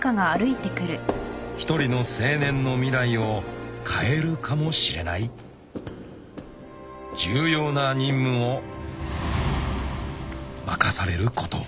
［一人の青年の未来を変えるかもしれない重要な任務を任されることを］